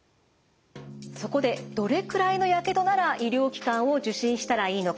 そこでどれくらいのやけどなら医療機関を受診したらいいのか。